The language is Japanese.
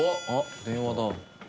電話だ。